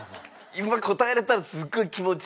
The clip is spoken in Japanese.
今答えられたらすごい気持ちいい。